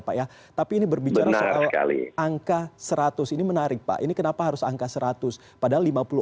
pak ya tapi ini berbicara soal angka seratus ini menarik pak ini kenapa harus angka seratus padahal